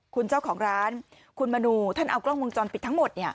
คุณเจ้าของร้านคุณมนูท่านเอากล้องวงจรปิดทั้งหมด